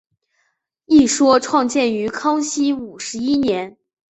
一说创建于康熙五十一年。